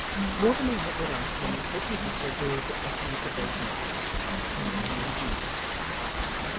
Mortimer Lightwood asked him, would he be so good as look at those notes? Handing him Eugene's.